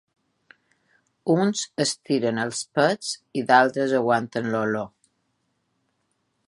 Uns es tiren els pets i d'altres aguanten l'olor.